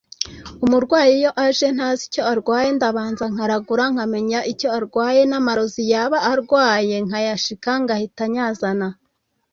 umurwayi iyo aje ntazi icyo arwaye ndabanza nkaragura nkamenya icyo arwaye n’amarozi yaba arwaye nkayashika ngahita nyazana